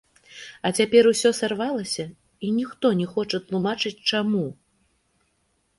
А цяпер усё сарвалася, і ніхто не хоча тлумачыць, чаму.